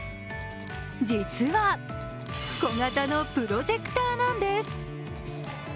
実は、小型のプロジェクターなんです。